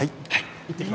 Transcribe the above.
行ってきます。